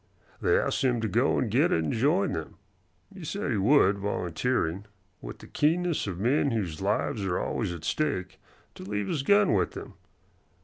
They asked him to go and get it and join them. He said he would, volunteering, with the keenness of men whose lives are always at stake, to leave his gun with them.